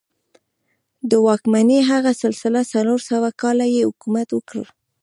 د واکمنۍ هغه سلسله څلور سوه کاله یې حکومت وکړ.